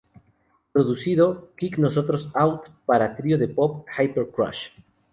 Producido "Kick nosotros Out" para trío de pop Hyper Crush.